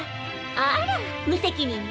あら無責任ね。